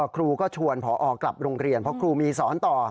ครูก็ชวนพอกลับโรงเรียนเพราะครูมีสอนต่อ